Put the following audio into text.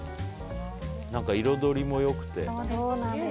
彩りも良くて。